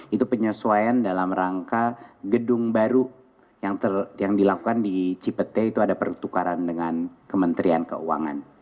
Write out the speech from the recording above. itu penyesuaian dalam rangka gedung baru yang dilakukan di cipete itu ada pertukaran dengan kementerian keuangan